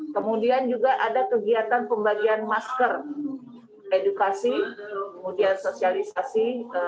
kemudian juga ada kegiatan pembagian masker edukasi kemudian sosialisasi